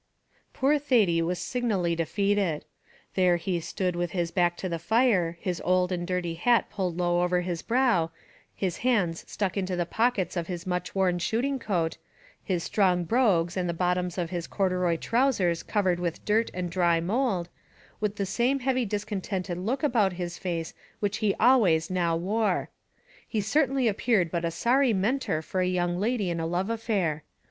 Poor Thady was signally defeated. There he stood with his back to the fire, his old and dirty hat pulled low over his brow, his hands stuck into the pockets of his much worn shooting coat, his strong brogues and the bottoms of his corduroy trowsers covered with dirt and dry mould, with the same heavy discontented look about his face which he always now wore. He certainly appeared but a sorry Mentor for a young lady in a love affair!